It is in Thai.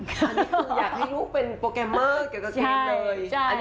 อันนี้คืออยากให้ลูกเป็นโปรแกรมเมอร์เกี่ยวกับเกมเลย